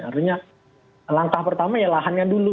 artinya langkah pertama ya lahannya dulu